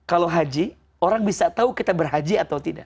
kalau haji orang bisa tahu kita berhaji atau tidak